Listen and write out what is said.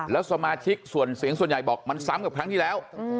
และสมาชิกส่วนสินัยบอกมันซ้ำกับครั้งที่แล้ว